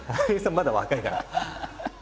まだ若いから。